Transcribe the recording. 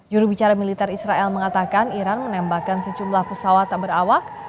jurubicara militer israel mengatakan iran menembakkan sejumlah pesawat berawak